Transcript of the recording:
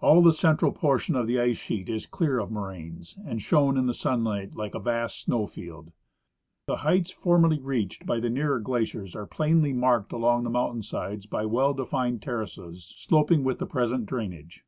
All the central portion of the ' ice sheet is clear of moraines, and shone in the sunlight like a vast snow field. The heights formerly reached by the nearer glaciers were plainly marked along the mountain sides by well defined terraces, sloping with the present drainage.